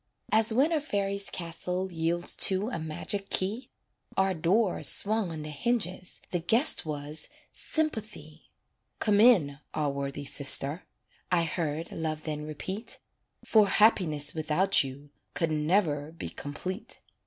As when a fairy's castle Yields to a magic key, Our door swung on the hinges The guest was Sympathy. "Come in, our worthy sister," I heard Love then repeat; "For happiness without you Could never be complete."